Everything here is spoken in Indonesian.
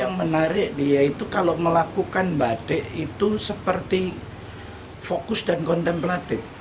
yang menarik dia itu kalau melakukan batik itu seperti fokus dan kontemplatif